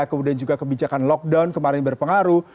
kemudian juga kebijakan lockdown kemarin berpengaruh